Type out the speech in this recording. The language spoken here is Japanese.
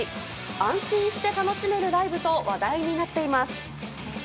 安心して楽しめるライブと話題になっています。